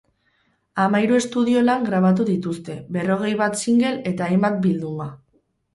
Hamahiru estudio-lan grabatu dituzte, berrogei bat single eta hainbat bilduma.